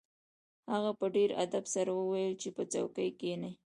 هغه په ډیر ادب سره وویل چې په څوکۍ کښیني